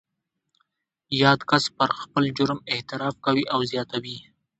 یاد کس پر خپل جرم اعتراف کوي او زیاتوي